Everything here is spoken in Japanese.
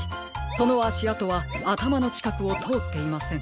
そのあしあとはあたまのちかくをとおっていません。